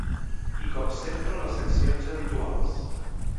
I com sempre les seccions habituals.